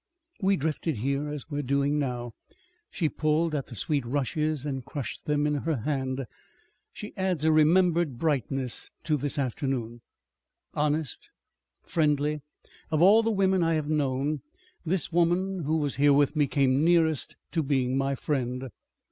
"We drifted here as we are doing now. She pulled at the sweet rushes and crushed them in her hand. She adds a remembered brightness to this afternoon. "Honest. Friendly. Of all the women I have known, this woman who was here with me came nearest to being my friend.